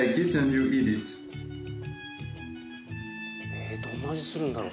えどんな味するんだろう？